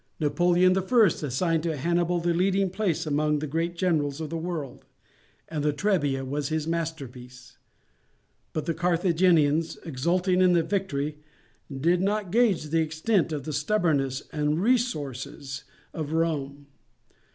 Napoleon the First assigned to Hannibal the leading place among the great generals of the world, and the Trebia was his masterpiece. But the Carthaginians, exulting in their victory, did not gauge the extent of the stubbornness and resources of Rome.